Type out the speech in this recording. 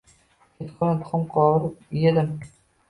Kechqurun tuxum qovurib edim